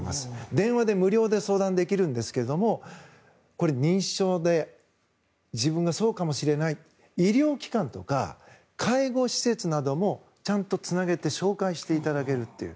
電話で無料で相談できるんですけどもこれ、認知症で自分がそうかもしれない医療機関とか介護施設などもちゃんとつなげて紹介していただけるという。